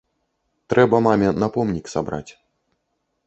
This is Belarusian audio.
Трэба маме на помнік сабраць.